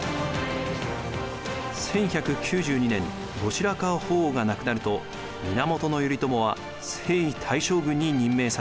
１１９２年後白河法皇が亡くなると源頼朝は征夷大将軍に任命されます。